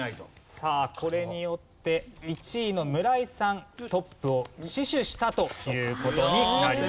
さあこれによって１位の村井さんトップを死守したという事になります。